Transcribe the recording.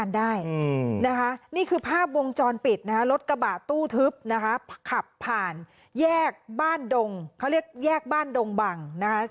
แล้วสุดท้ายก็ไปชนกับมอเตอร์ไซที่มาจากทางตรง